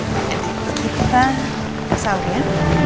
kita sahur ya